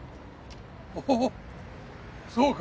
おおそうか。